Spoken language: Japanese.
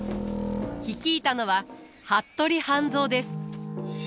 率いたのは服部半蔵です。